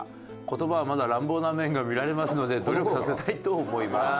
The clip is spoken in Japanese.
「言葉はまだ乱暴な面がみられますので努力させたいと思います」